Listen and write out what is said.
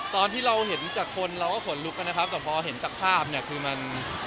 ตอนที่เราเห็นจากคนเราก็ขนลุกนะครับแต่พอเห็นจากภาพเนี่ยคือมัน